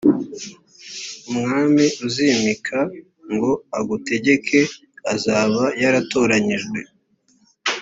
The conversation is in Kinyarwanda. umwami uzimika ngo agutegeke azaba yaratoranyijwe